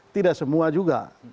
tidak semua juga